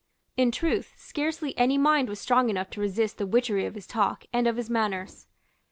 In truth, scarcely any mind was strong enough to resist the witchery of his talk and of his manners.